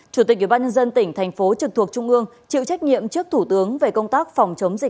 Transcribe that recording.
chủ tịch bác nhân dân tỉnh thành phố trực thuộc trung ương chịu trách nhiệm trước thủ tướng về công tác phòng chống dịch bệnh trên địa bàn